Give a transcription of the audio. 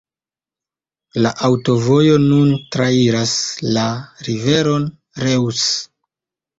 La aŭtovojo nun trairas la riveron Reuss.